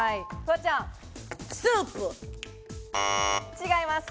違います。